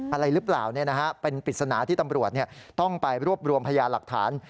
อะไรหรือเปล่าเป็นปริศนาที่ตำรวจต้องไปรวบรวมพยาหลักฐาน